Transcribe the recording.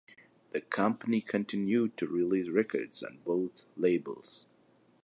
The company continued to release records on both labels.